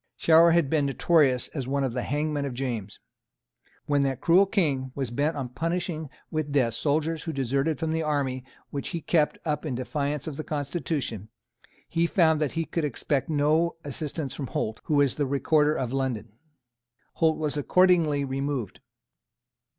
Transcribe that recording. Shower had been notorious as one of the hangmen of James. When that cruel King was bent on punishing with death soldiers who deserted from the army which he kept up in defiance of the constitution, he found that he could expect no assistance from Holt, who was the Recorder of London. Holt was accordingly removed.